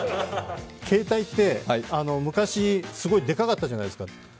携帯って昔、すごくデカかったじゃないですか。